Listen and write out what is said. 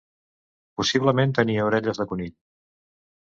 Possiblement tenia orelles de conill.